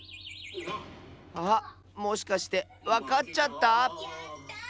あっもしかしてわかっちゃった？